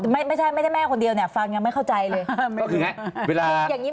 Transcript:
ไม่ใช่แม่คนเดียวฟังเนี่ยไม่เข้าใจอย่างนี้